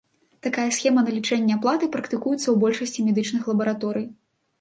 Такая схема налічэння аплаты практыкуецца ў большасці медычных лабараторый.